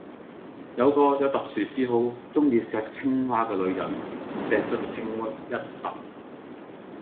有個有特殊嗜好,中意錫青蛙噶女人錫左隻青蛙一淡